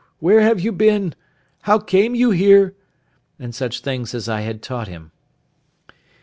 Where have you been? How came you here?" and such things as I had taught him.